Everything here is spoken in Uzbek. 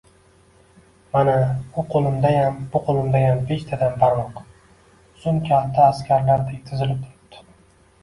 Mana, u qo‘limdayam, bu qo‘limdayam beshtadan barmoq uzun-kalta askarlardek tizilib turibdi